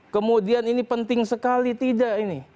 kemudian ini penting sekali tidak ini